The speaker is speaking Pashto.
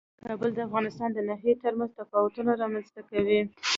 کابل د افغانستان د ناحیو ترمنځ تفاوتونه رامنځ ته کوي.